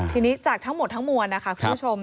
ทีนี้จากทั้งหมดทั้งมวลนะคะคุณผู้ชม